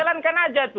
jalankan saja itu